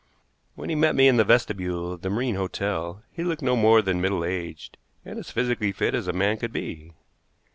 When he met me in the vestibule of the Marine Hotel he looked no more than middle aged, and as physically fit as a man could be.